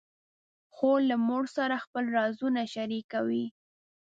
خور له مور سره خپل رازونه شریکوي.